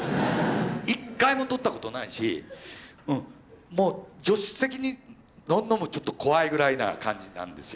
一回も取ったことないしうんもう助手席に乗るのもちょっと怖いぐらいな感じなんですよ。